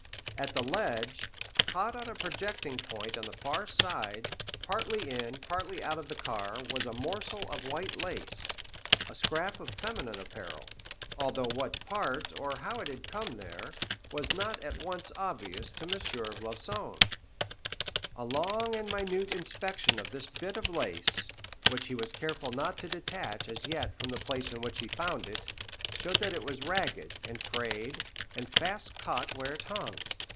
At the ledge, caught on a projecting point on the far side, partly in, partly out of the car, was a morsel of white lace, a scrap of feminine apparel; although what part, or how it had come there, was not at once obvious to M. Floçon. A long and minute inspection of this bit of lace, which he was careful not to detach as yet from the place in which he found it, showed that it was ragged, and frayed, and fast caught where it hung.